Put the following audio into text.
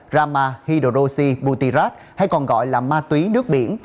rama hydrosybutyrat hay còn gọi là ma túy nước biển